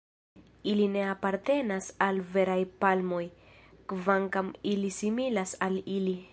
Ili ne apartenas al la veraj palmoj, kvankam ili similas al ili.